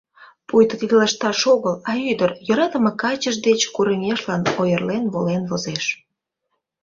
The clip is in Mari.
Пуйто тиде лышташ огыл, а ӱдыр йӧратыме качыж деч курымешлан ойырлен волен возеш.